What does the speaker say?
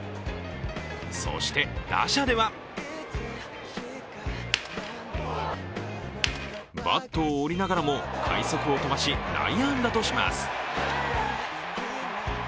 そして、打者ではバットを折りながらも快足を飛ばし、内野安打とします。